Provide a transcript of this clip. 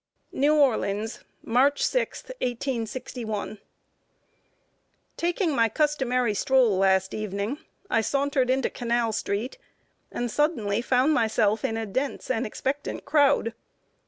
NEW ORLEANS, March 6, 1861. Taking my customary stroll last evening, I sauntered into Canal street, and suddenly found myself in a dense and expectant crowd.